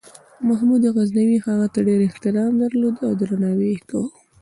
محمود غزنوي هغه ته ډېر احترام درلود او درناوی یې کاوه.